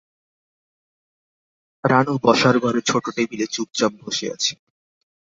রানু বসার ঘরে ছোট টেবিলে চুপচাপ বসে আছে।